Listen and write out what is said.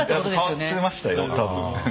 変わってましたよ多分。